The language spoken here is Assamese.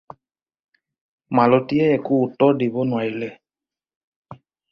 মালতীয়ে একো উত্তৰ দিব নোৱাৰিলে।